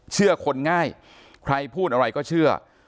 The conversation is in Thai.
เชื่อคนง่ายใครพูดอะไรก็เชื่อ